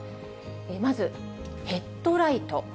まずヘッドライト。